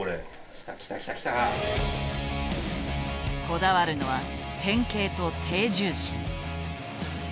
こだわるのは変形と低重心。